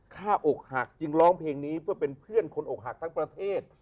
อกหักจึงร้องเพลงนี้เพื่อเป็นเพื่อนคนอกหักทั้งประเทศ